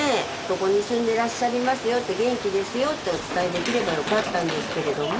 「どこに住んでらっしゃりますよ」って「元気ですよ」ってお伝えできればよかったんですけれども。